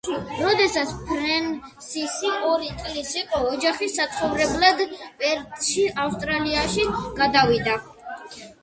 როდესაც ფრენსისი ორი წლის იყო ოჯახი საცხოვრებლად პერთში, ავსტრალიაში გადავიდა.